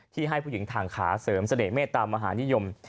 ให้ผู้หญิงถ่างขาเสริมเสน่หมเมตตามหานิยม